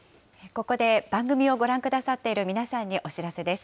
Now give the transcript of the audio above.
ここで番組をご覧くださっている皆さんにお知らせです。